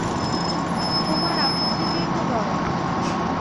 তোমার আপত্তিকেই তো ডরাই।